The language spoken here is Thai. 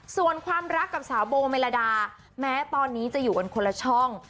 ส่วนความรักกับสาวโบเมลดาแม้ตอนนี้จะอยู่กันคนละช่อง